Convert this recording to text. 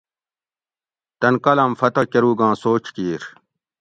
تن کالام فتح کۤروگاں سوچ کیر